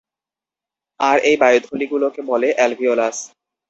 আর এই বায়ুথলিগুলোকে বলে অ্যালভিওলাস।